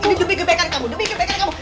ini demi kebaikan kamu demi kebaikan kamu